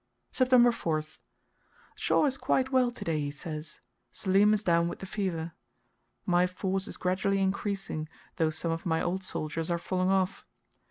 September 4th. Shaw is quite well to day, he says. Selim is down with the fever. My force is gradually increasing, though some of my old soldiers are falling off.